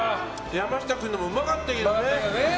山下君のもうまかったけどね。